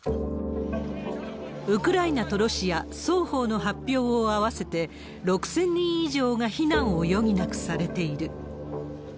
ウクライナとロシア双方の発表を合わせて、６０００人以上が避難を余儀なくされている。